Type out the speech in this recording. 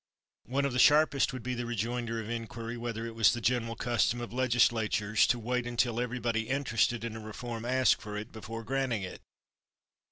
One of the sharpest would be the rejoinder of inquiry whether it was the general custom of Legislatures to wait until everybody interested in a reform asked for it before granting it.